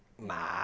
まあ。